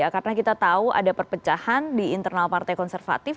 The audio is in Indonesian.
karena kita tahu ada perpecahan di internal partai konservatif